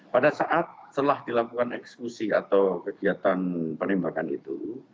pada saat setelah dilakukan eksekusi atau kegiatan penembakan itu